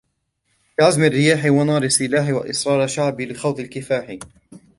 بعزم الرياح ونار السلاح وإصرار شعبي لخوض الكفاح